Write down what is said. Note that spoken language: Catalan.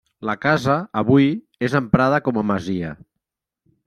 La casa avui, és emprada com a masia.